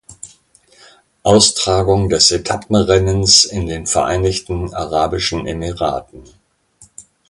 Austragung des Etappenrennens in den Vereinigten Arabischen Emiraten.